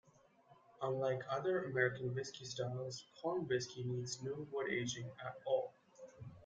Unlike other American whiskey styles, corn whiskey needs no wood aging at all.